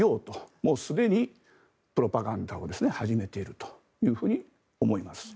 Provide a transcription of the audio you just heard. もうすでにプロパガンダを始めていると思います。